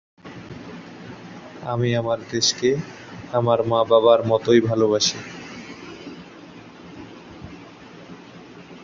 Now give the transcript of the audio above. বাম আমলে ইনি গ্রাম ও গ্রামীণ উন্নয়ন এবং স্বাস্থ্য মন্ত্রীর দায়ীত্ব পালন করেছেন।